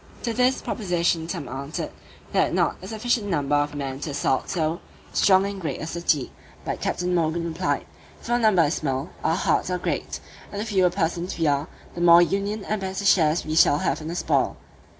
To this proposition some answered, "they had not a sufficient number of men to assault so strong and great a city." But Captain Morgan replied, "If our number is small, our hearts are great; and the fewer persons we are, the more union and better shares we shall have in the spoil."